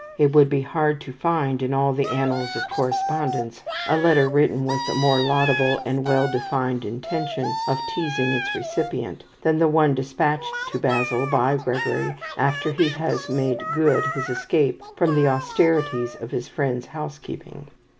It would be hard to find, in all the annals of correspondence, a letter written with a more laudable and well defined intention of teasing its recipient, than the one dispatched to Basil by Gregory after he has made good his escape from the austerities of his friend's housekeeping.